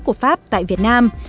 của pháp tại việt nam